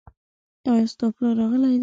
ایا ستا پلار راغلی دی ؟